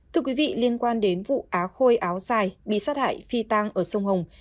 thưa quý vị liên quan đến vụ á khôi áo sai bị sát hại phi tăng ở sông hồng